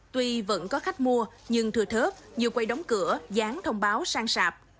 tuy vẫn có khách mua nhưng thừa thớp nhiều quay đóng cửa gián thông báo sang sạp